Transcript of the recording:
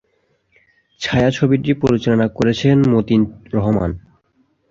ছায়াছবিটি পরিচালনা করেছেন মতিন রহমান।